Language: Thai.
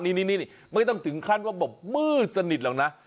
นี่ไม่ต้องถึงขั้นว่าแบบมืดสนิทหรอกนะ